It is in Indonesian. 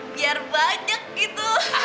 biar banyak gitu